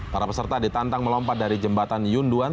para peserta ditantang melompat dari jembatan yunduan